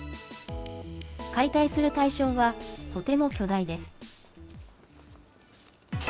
解体する対象は、とても巨大です。